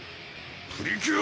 プリキュア！